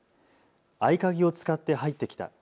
合鍵を使って入ってきた。